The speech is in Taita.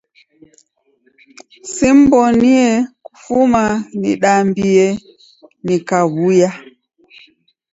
Simbonie kufuma nidambie nikaw'uya.